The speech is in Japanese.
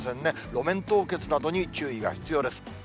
路面凍結などに注意が必要です。